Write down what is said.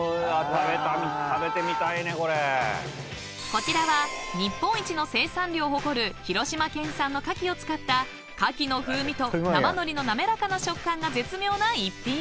［こちらは日本一の生産量を誇る広島県産の牡蠣を使った牡蠣の風味と生海苔の滑らかな食感が絶妙な逸品］